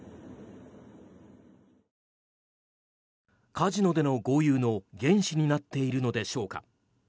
カジノでの豪遊の原資になっているのでしょうか。